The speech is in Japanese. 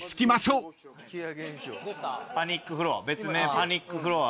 パニックフロア